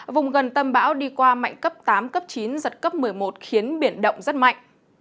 vùng gần tâm bão đi qua mạnh cấp tám cấp chín giật cấp một mươi một khiến biển động rất mạnh